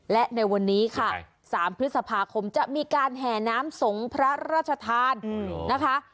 และในวันนี้ค่ะ๓พฤษภาคมจะมีการแห่น้ำสงฆ์พระราชทานนะคะ